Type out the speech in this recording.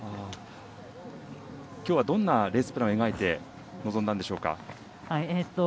きょうはどんなレースプランを描いて臨んだんでしょうか？